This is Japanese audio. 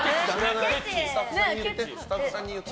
スタッフさんに言って。